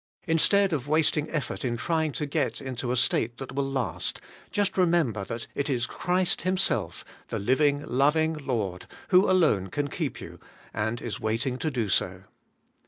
Instead of wasting effort in trying to get into a state that will last, just remember that it is Christ Himself, the living, loving Lord, who alone can keep you, and is waiting to do so.